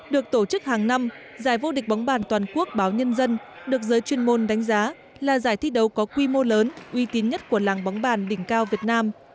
được tổ chức hàng năm giải vô địch bóng bàn toàn quốc báo nhân dân được giới chuyên môn đánh giá là giải thi đấu có quy mô lớn uy tín nhất của làng bóng bàn đỉnh cao việt nam